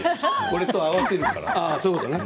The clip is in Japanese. これと合わせるからね。